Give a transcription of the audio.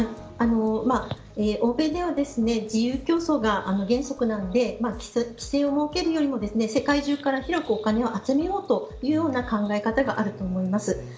欧米では自由競争が原則なので規制を設けるよりも世界中から広くお金を集めようというような考え方があると思います。